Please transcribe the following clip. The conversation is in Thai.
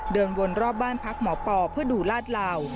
เดินวนรอบบ้านพักหมอปอเพื่อดูลาดลาว